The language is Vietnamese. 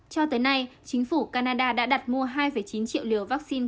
cho tới nay chính phủ canada đã đặt mua hai chín triệu liều vaccine